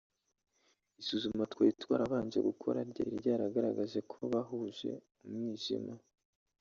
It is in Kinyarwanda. Isuzuma twari twarabanje gukora ryari ryaragaragaje ko bahuje umwijima